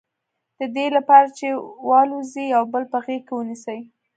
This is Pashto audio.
د دې لپاره چې والوزي یو بل په غېږ کې ونیسي.